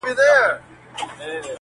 o سخت حالت سره مخ ده,